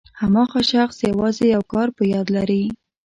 هماغه شخص یوازې یو کار په یاد لري.